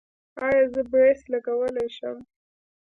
ایا زه برېس لګولی شم؟